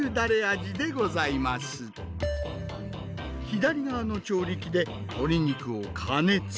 左側の調理器で鶏肉を加熱。